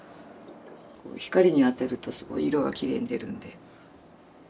光に当てるとすごい色がきれいに出るんで。